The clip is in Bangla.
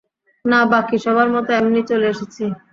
না, বাকি সবার মতো এমনিই চলে এসেছি।